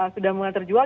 sudah mulai terjual